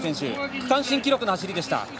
区間新記録の走りでした。